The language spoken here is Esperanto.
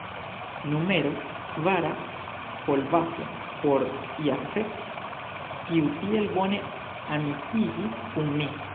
Numero kvara: Kolbaso; por Jafet, kiu tiel bone amikiĝis kun mi.